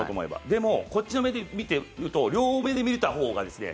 でも、こっちの目で見ていると両目で見たほうがですね